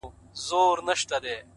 هره تجربه نوی درک رامنځته کوي؛